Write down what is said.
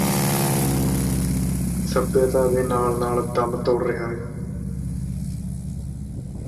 ਸੱਭਿਅਤਾ ਦੇ ਨਾਲ ਨਾਲ ਦਮ ਤੋੜ ਰਿਹਾ ਏ